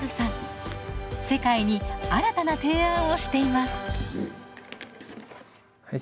世界に新たな提案をしています。